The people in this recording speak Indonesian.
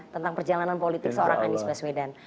tentang perjalanan politik seorang anies baswedan